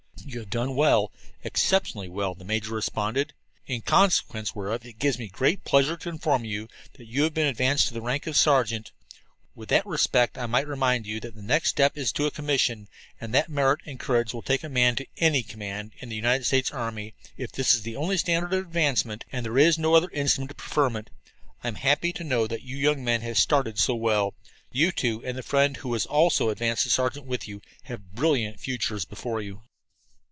"You have done well, exceptionally well," the major responded. "In consequence whereof it gives me great pleasure to inform you that you have been advanced to the rank of sergeant. In that respect I might remind you that the next step is to a commission, and that merit and courage will take a man to any command in the United States army. It is the only standard of advancement, and there is no other instrument of preferment. I am happy to know that you young men have started so well. You two, and the friend who also was advanced to sergeant with you, have brilliant futures before you."